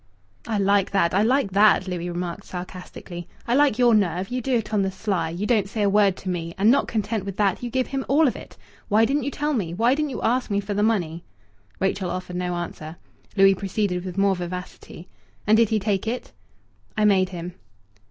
"I like that! I like that!" Louis remarked sarcastically. "I like your nerve. You do it on the sly. You don't say a word to me; and not content with that, you give him all of it. Why didn't you tell me? Why didn't you ask me for the money?" Rachel offered no answer. Louis proceeded with more vivacity. "And did he take it?" "I made him."